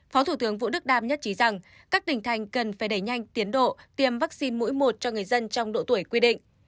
phó thủ tướng vũ đức đam nhất trí rằng các tỉnh thành cần phải đẩy nhanh tiến độ tiêm vaccine mũi một cho người dân trong độ tuổi quy định